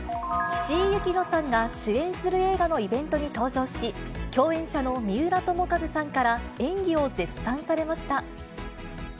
岸井ゆきのさんが主演する映画のイベントに登場し、共演者の三浦友和さんから、演技を絶賛されました。